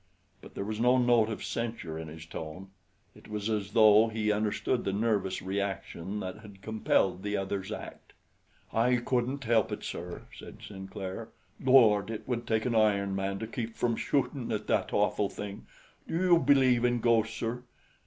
But there was no note of censure in his tone. It was as though he understood the nervous reaction that had compelled the other's act. "I couldn't help it, sir," said Sinclair. "Lord, it would take an iron man to keep from shootin' at that awful thing. Do you believe in ghosts, sir?"